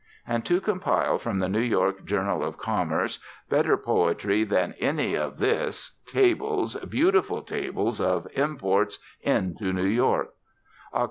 And to compile from the New York Journal of Commerce better poetry than any of this, tables, beautiful tables of "imports into New York": "Oct.